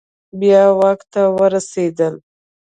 بیا واک ته ورسیدل